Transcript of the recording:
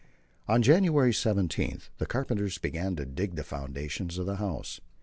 On January 17 the carpenters began to dig the foundations of the house.